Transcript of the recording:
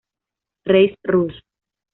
Reise Russ.